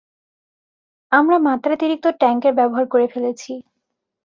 আমরা মাত্রাতিরিক্ত ট্যাঙ্কের ব্যবহার করে ফেলেছি।